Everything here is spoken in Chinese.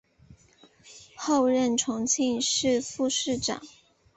后任重庆市副市长。